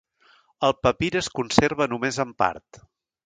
El papir es conserva només en part.